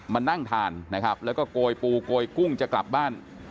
มานั่งทานนะครับแล้วก็โกยปูโกยกุ้งจะกลับบ้าน